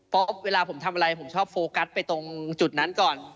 เพราะเวลาผมทำอะไรผมชอบโฟกัสไปตรงจุดนั้นก่อน